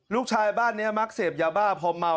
ลูกชายบ้านนี้มักเสพยาบ้าพอเมา